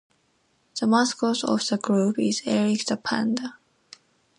The mascot of the group is Erik the Panda.